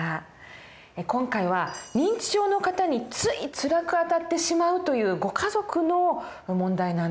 今回は認知症の方についつらくあたってしまうというご家族の問題なんですけれども。